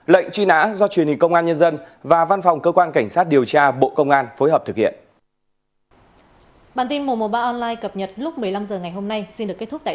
lệnh truy nã do truyền hình công an nhân dân và văn phòng cơ quan cảnh sát điều tra bộ công an phối hợp thực hiện